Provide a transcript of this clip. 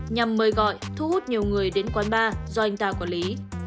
nhằm mời gọi thu hút nhiều người đến quán bar do anh ta quản lý